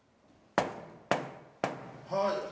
はい。